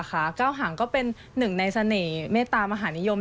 เก้าหางก็เป็นหนึ่งในเสน่ห์เมตตามหานิยม